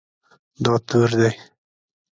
دا تور دی